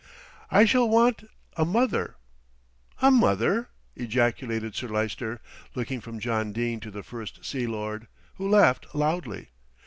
"I shall want a 'mother' " "A mother!" ejaculated Sir Lyster, looking from John Dene to the First Sea Lord, who laughed loudly.